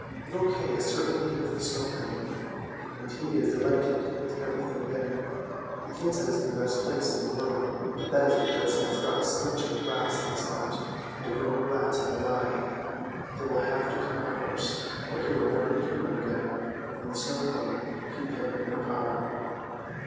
" Little Kay is certainly with the Snow Queen, and he is delighted with everything there. He thinks it is the best place in the world, but that is because he has got a splinter of glass in his heart and a grain of glass in his eye. They will have to come out first, or he will never be human again, and the Snow Queen will keep him in her power!